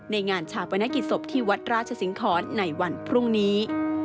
งานชาปนกิจศพที่วัดราชสิงครในวันพรุ่งนี้